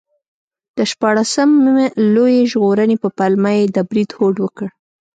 د شپاړسم لویي ژغورنې په پلمه یې د برید هوډ وکړ.